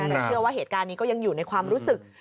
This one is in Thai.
แต่เชื่อว่าเหตุการณ์นี้ก็ยังอยู่ในความรู้สึก